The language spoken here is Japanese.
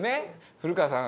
古川さん